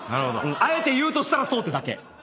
あえて言うとしたらそうってだけ。